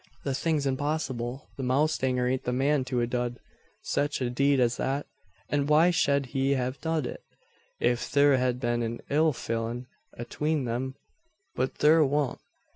The thing's impossible. The mowstanger ain't the man to a dud sech a deed as that. An' why shed he have dud it? If thur hed been an ill feelin' atween them. But thur wa'n't.